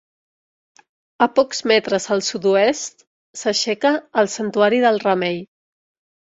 A pocs metres al sud-oest s'aixeca el santuari del Remei.